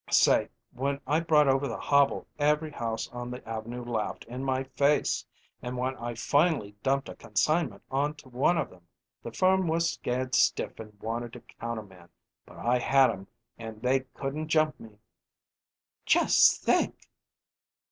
Say, when I brought over the hobble every house on the Avenue laughed in my face; and when I finally dumped a consignment on to one of them, the firm was scared stiff and wanted to countermand; but I had 'em and they couldn't jump me." "Just think!"